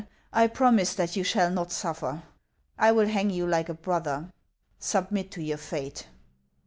I promise that you shall not suffer. I will hang you like a brother; submit to your fate."